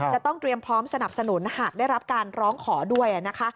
จะต้องเตรียมพร้อมสนับสนุนหากได้รับการร้องขอด้วยนะคะ